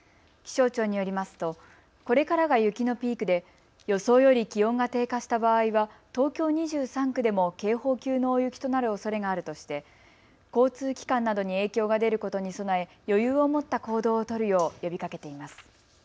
気象庁によりますとこれからが雪のピークで予想より気温が低下した場合は東京２３区でも警報級の大雪となるおそれがあるとして交通機関などに影響が出ることに備え、余裕を持った行動を取るよう呼びかけています。